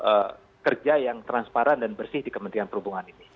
jadi ini adalah satu perjalanan yang sangat parah dan bersih di kementerian perhubungan ini